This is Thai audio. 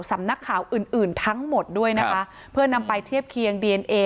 สำนักข่าวอื่นอื่นทั้งหมดด้วยนะคะเพื่อนำไปเทียบเคียงดีเอนเอ